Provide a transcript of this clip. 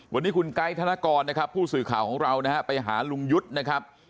วันนี้คุณไกด์ธนกรนะครับผู้สื่อข่าวของเรานะฮะไปหาลุงยุทธ์นะครับ